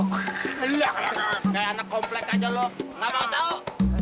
kayak anak komplek aja lo gak mau tau